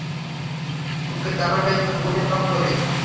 ওকে, তাহলে ওগুলো ড্রপ করি?